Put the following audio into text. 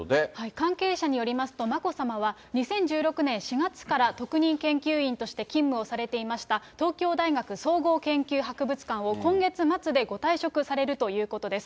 関係者によりますと、眞子さまは２０１６年４月から、特任研究員として勤務をされていました、東京大学総合研究博物館を今月末でご退職されるということです。